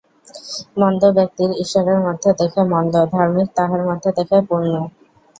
মন্দ ব্যক্তি ঈশ্বরের মধ্যে দেখে মন্দ, ধার্মিক তাঁহার মধ্যে দেখেন পুণ্য।